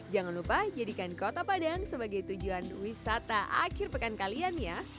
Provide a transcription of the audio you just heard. jangan lupa jadikan kota padang sebagai tujuan wisata akhir pekan kalian ya